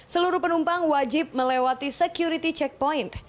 seluruh penumpang wajib melewati security checkpoint